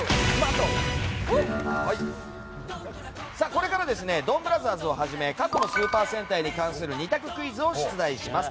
これから「ドンブラザーズ」をはじめ過去のスーパー戦隊に関する２択クイズを出題します。